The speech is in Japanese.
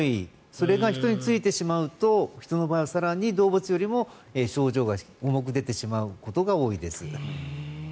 それが人についてしまうと人の場合は動物よりも症状が重く出てしまうことが多いです。